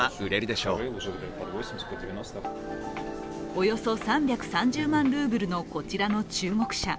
およそ３３０万ルーブルのこちらの中国車。